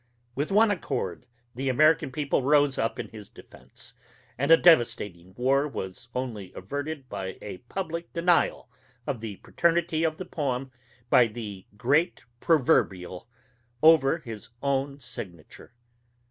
With one accord, the American people rose up in his defense, and a devastating war was only averted by a public denial of the paternity of the poem by the great Proverbial over his own signature.